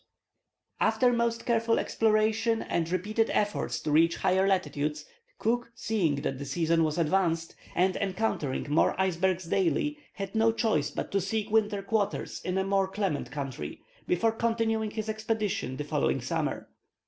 ] After most careful exploration and repeated efforts to reach higher latitudes, Cook, seeing that the season was advanced, and encountering more icebergs daily, had no choice but to seek winter quarters in a more clement country, before continuing his expedition the following summer.